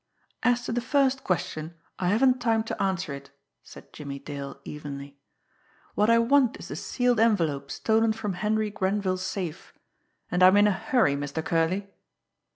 "As to the first question, I haven't time to answer it," said Jimmie Dale evenly. "What I want is the sealed envelope stolen from Henry Grenville's safe and I'm in a hurry, Mr. Curley."